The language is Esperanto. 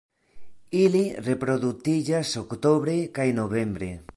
Ili reproduktiĝas oktobre kaj novembre.